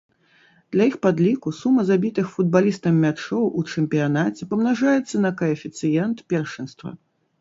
Для іх падліку сума забітых футбалістам мячоў у чэмпіянаце памнажаецца на каэфіцыент першынства.